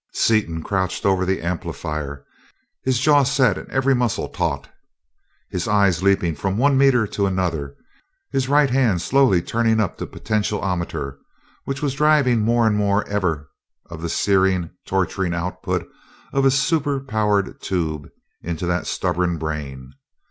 Seaton crouched over the amplifier, his jaw set and every muscle taut, his eyes leaping from one meter to another, his right hand slowly turning up the potentiometer which was driving more and ever more of the searing, torturing output of his super power tube into that stubborn brain.